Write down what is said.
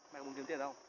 mày có muốn kiếm tiền không